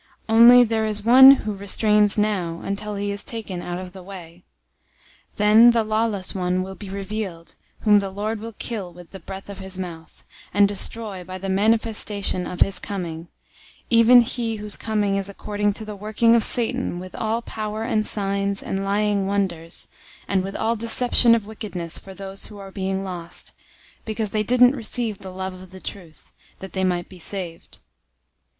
Only there is one who restrains now, until he is taken out of the way. 002:008 Then the lawless one will be revealed, whom the Lord will kill with the breath of his mouth, and destroy by the manifestation of his coming; 002:009 even he whose coming is according to the working of Satan with all power and signs and lying wonders, 002:010 and with all deception of wickedness for those who are being lost, because they didn't receive the love of the truth, that they might be saved.